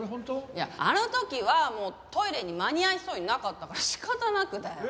いやあの時はもうトイレに間に合いそうになかったから仕方なくだよ。